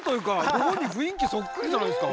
ご本人雰囲気そっくりじゃないですか。